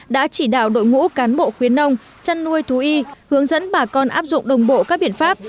đội ngũ cán bộ khuyến nông chăn nuôi thú y hướng dẫn bà con áp dụng đồng bộ các biện pháp